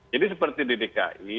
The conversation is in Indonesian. jadi seperti di dki